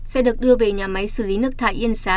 sẽ được đưa về nhà máy xử lý nước thải yên xá